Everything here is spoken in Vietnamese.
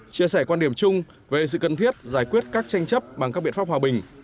chia sẻ quan điểm chung về sự cần thiết giải quyết các tranh chấp bằng các biện pháp hòa bình